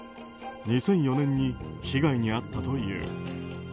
２００４年に被害に遭ったという。